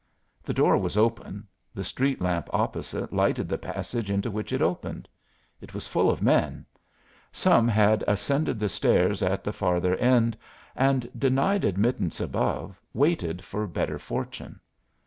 The door was open; the street lamp opposite lighted the passage into which it opened. It was full of men. Some had ascended the stairs at the farther end, and, denied admittance above, waited for better fortune.